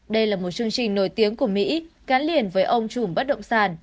đây là một chương trình nổi tiếng của mỹ cán liền với ông chủ bất động sản